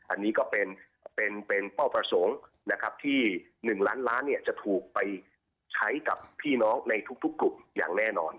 อันนี้ก็เป็นเป้าประสงค์นะครับที่๑ล้านล้านจะถูกไปใช้กับพี่น้องในทุกกลุ่มอย่างแน่นอน